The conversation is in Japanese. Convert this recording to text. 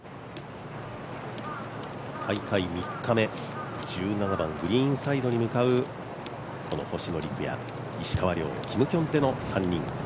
大会３日目、１７番グリーンサイドに向かうこの、星野陸也、石川遼キム・キョンテの３人。